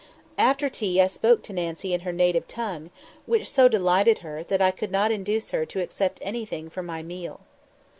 After tea I spoke to Nancy in her native tongue, which so delighted her, that I could not induce her to accept anything for my meal.